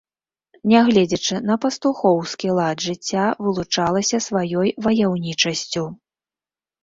Нягледзячы на пастухоўскі лад жыцця, вылучалася сваёй ваяўнічасцю.